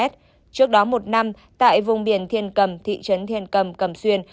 trước đó một năm tại vùng biển thiên cầm thị trấn thiên cầm cầm xuyên